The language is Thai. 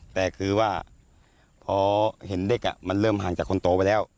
แต่คือว่าพอเห็นเด็กมันเริ่มห่างจากคนโตไปแล้ว